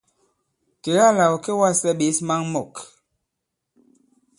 Kèga là ɔ̀ kê wa᷇slɛ ɓěs maŋ mɔ̂k.